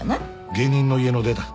下忍の家の出だ。